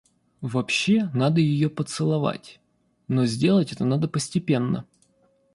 Вообще надо её поцеловать, но сделать это надо постепенно.